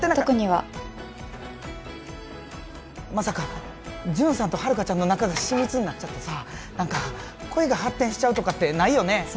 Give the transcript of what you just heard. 特にはまさかジュンさんと遥ちゃんの仲が親密になっちゃってさ何か恋が発展しちゃうとかってないよね？